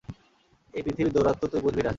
এই পৃথিবীর দৌরাত্ম্য তুই বুঝবি না।